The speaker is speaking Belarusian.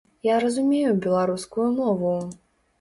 Я разумею беларускую мову!